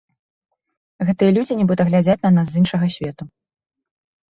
Гэтыя людзі нібыта глядзяць на нас з іншага свету.